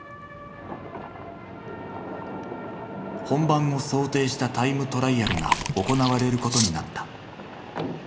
本番を想定したタイムトライアルが行われることになった。